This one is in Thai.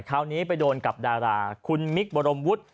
คราวนี้ไปโดนกับดาราคุณมิคบรมวุฒิ